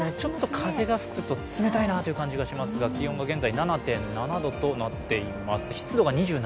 風が吹くと冷たいなという感じがしますが気温が現在７．７度となっています。